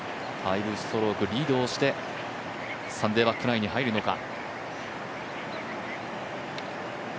５ストローク、リードをしてサンデーバックナインに入るのか。